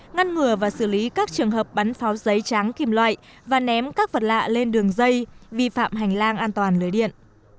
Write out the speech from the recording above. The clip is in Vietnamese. ngăn ngừa và xử lý các trường hợp bắn pháo giấy tráng kim loại và ném các vật lạ lên đường dây vi phạm hành lang an toàn lưới điện